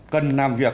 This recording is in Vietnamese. cân nam việt